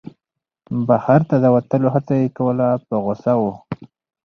بهر ته د وتلو هڅه یې کوله په غوسه و.